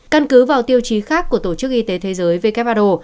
căn cứ vào tiêu chí khác của tổ chức y tế thế giới who